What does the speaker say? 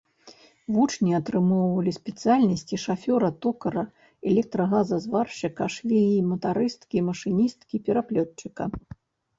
Вучні атрымоўвалі спецыяльнасці шафёра, токара, электрагазазваршчыка, швеі-матарысткі, машыністкі, пераплётчыка.